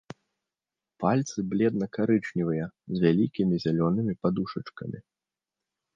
Пальцы бледна-карычневыя, з вялікімі зялёнымі падушачкамі.